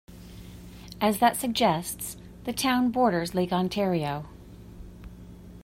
As that suggests, the town borders Lake Ontario.